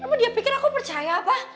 emang dia pikir aku percaya apa